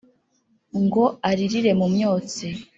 ngo alilire mu myotsi